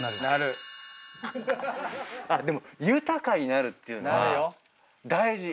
でも豊かになるっていうのは大事。